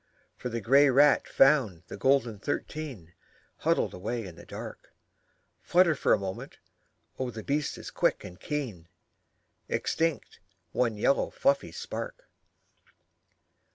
For the grey rat found the gold thirteen Huddled away in the dark, Flutter for a moment, oh the beast is quick and keen, Extinct one yellow fluffy spark.